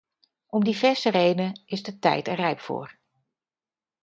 Om diverse redenen is de tijd er rijp voor.